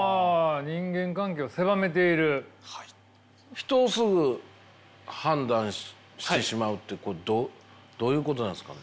人をすぐ判断してしまうってこれはどういうことなんですかね。